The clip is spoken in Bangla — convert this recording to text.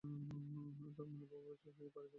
সালমানের বাবা অভিবাসী হয়ে পাড়ি জমান যুক্তরাষ্ট্রে।